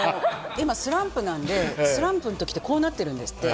今、スランプなのでスランプの時ってこうなってるんですって。